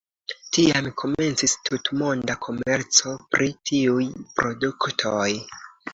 Tiam komencis tutmonda komerco pri tiuj produktoj.